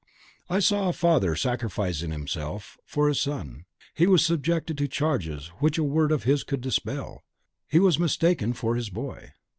I saw a father sacrificing himself for his son; he was subjected to charges which a word of his could dispel, he was mistaken for his boy.